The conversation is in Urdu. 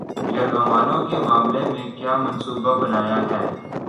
یرغمالوں کے معاملے میں کیا منصوبہ بنایا ہے